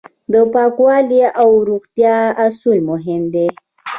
د پاکوالي او روغتیا اصول مهم دي.